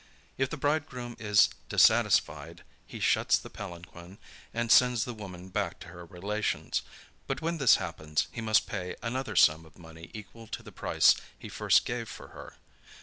If the bridegroom is dissatisfied, he shuts the palanquin, and sends the woman back to her relations; but when this happens, he must pay another sum of money equal to the price he first gave for her.